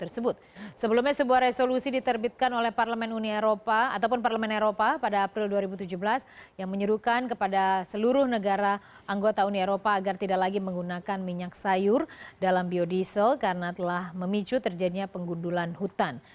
sebelumnya sebuah resolusi diterbitkan oleh parlemen uni eropa ataupun parlemen eropa pada april dua ribu tujuh belas yang menyuruhkan kepada seluruh negara anggota uni eropa agar tidak lagi menggunakan minyak sayur dalam biodiesel karena telah memicu terjadinya pengundulan hutan